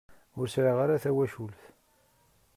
Ur sɛiɣ ara tawacult.